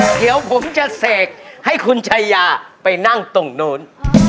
เดี๋ยวผมจะเสกให้คุณชายาไปนั่งตรงนู้น